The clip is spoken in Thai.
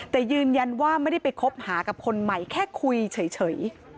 แต่ยืนยันว่าไม่ได้ไปคบหากับคนใหม่แค่คุยเฉย